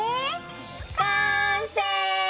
完成！